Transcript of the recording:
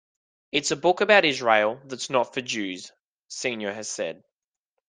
"It's a book about Israel that's not for Jews," Senor has said.